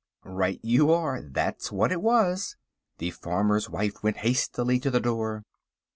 Right you are. That's what it was. The farmer's wife went hastily to the door.